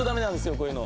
こういうの。